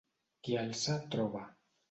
Qui alça, troba.